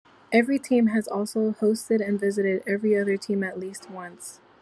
Every team has also hosted and visited every other team at least once.